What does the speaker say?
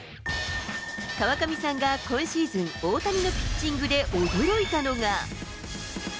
川上さんが今シーズン、大谷のピッチングで驚いたのが。